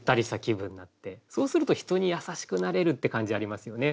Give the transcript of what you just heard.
そうすると人に優しくなれるって感じありますよね。